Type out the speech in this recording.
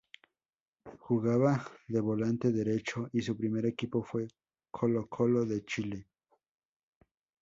Jugaba de volante derecho y su primer equipo fue Colo-Colo de Chile.